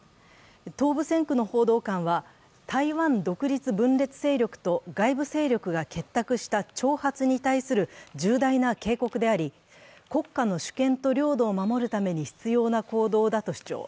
東部戦区の報道官は台湾独立分裂勢力と外部勢力が結託した挑発に対する重大な警告であり、国家の主権と領土を守るために必要な行動だと主張。